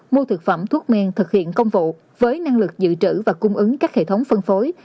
mua thực phẩm thuốc men thực hiện công vụ với năng lực dự trữ và cung ứng các hệ thống phân phối